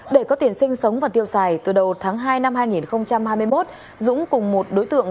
để có tiền sinh sống và tiêu xài từ đầu tháng hai năm hai nghìn hai mươi một dũng cùng một đối tượng